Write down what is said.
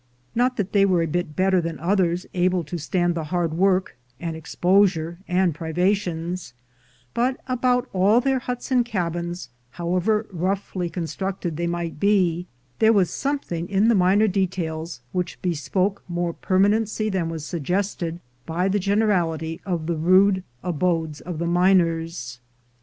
Not that they were a bit better than others able to stand the hard work and exposure and privations, but about all their huts and cabins, however roughly constructed they might be, there was something in the minor details which bespoke more permanency than was suggested by the generality of the rude abodes of the miners.